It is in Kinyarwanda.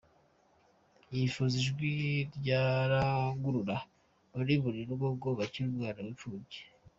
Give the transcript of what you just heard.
Yifuza ijwi ryarangurura muri buri rugo ngo bakire umwana w’imfubyi.